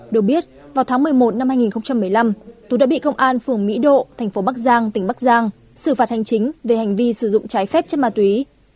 được biết vào tháng một mươi một năm hai nghìn một mươi năm tú đã bị công an phường mỹ độ thành phố bắc giang tỉnh bắc giang xử phạt hành chính về hành vi sử dụng trái phép chất ma túy